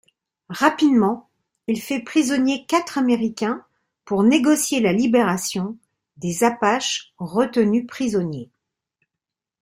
Rapidement, il fait prisonnier quatre Américains pour négocier la libération des Apaches retenus prisonniers.